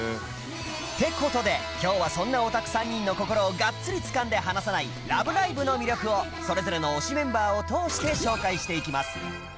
ってことで今日はそんなヲタク３人の心をがっつりつかんで離さない『ラブライブ！』の魅力をそれぞれの推しメンバーを通して紹介していきます